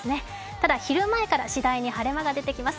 ただ昼前から次第に晴れ間が出てきます。